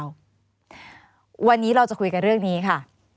วันนี้เราจะคุยกันเรื่องนี้ค่ะ